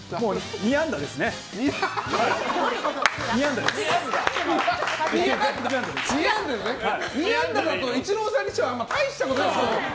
２安打だとイチローさんにしてはあんまり大したことないんですよ。